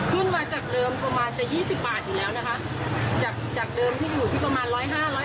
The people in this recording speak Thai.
ขึ้นมาจากเดิมประมาณจะยี่สิบบาทอยู่แล้วนะคะจากจากเดิมที่อยู่ที่ประมาณร้อยห้าร้อย